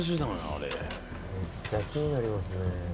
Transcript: あれめっちゃ気になりますね